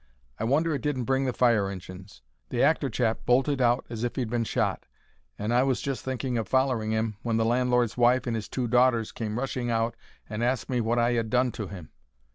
I wonder it didn't bring the fire injins. The actor chap bolted out as if he'd been shot, and I was just thinking of follering 'im when the landlord's wife and 'is two daughters came rushing out and asking me wot I 'ad done to him.